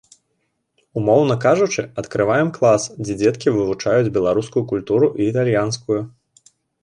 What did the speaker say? Умоўна кажучы, адкрываем клас, дзе дзеткі вывучаюць беларускую культуру і італьянскую.